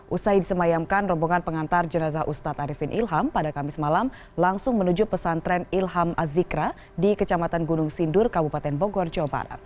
usai disemayamkan rombongan pengantar jenazah ustadz arifin ilham pada kamis malam langsung menuju pesantren ilham azikra di kecamatan gunung sindur kabupaten bogor jawa barat